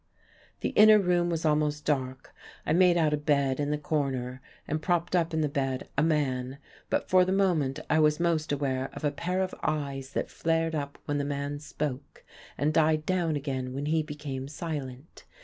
The inner room was almost dark. I made out a bed in the corner, and propped up in the bed a man; but for the moment I was most aware of a pair of eyes that flared up when the man spoke, and died down again when he became silent.